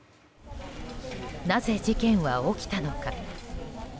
なぜ事件は起きたのか。